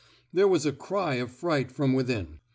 There was a cry of fright from within.